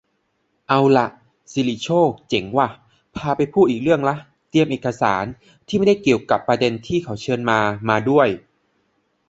เอาล่ะ ศิริโชค เจ๋งว่ะ พาไปพูดอีกเรื่องละ เตรียมเอกสาร-ที่ไม่ได้เกี่ยวกะประเด็นที่เขาเชิญมา-มาด้วย